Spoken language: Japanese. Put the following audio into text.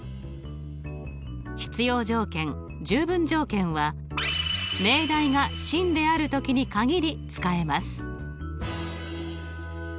必要条件十分条件は命題が真である時に限り使えます。